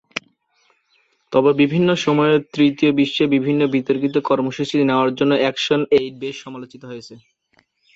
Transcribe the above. তবে বিভিন্ন সময়ে তৃতীয় বিশ্বে বিভিন্ন বিতর্কিত কর্মসূচি নেওয়ার জন্য অ্যাকশন এইড বেশ সমালোচিত হয়েছে।